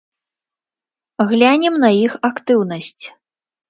Глянем на іх актыўнасць.